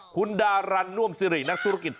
คุณดารันน่วมสิรินักธุรกิจ